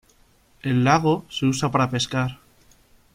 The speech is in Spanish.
El lago se usa para pescar.